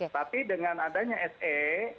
tapi dengan adanya se